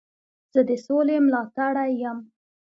زه د سولي ملاتړی یم.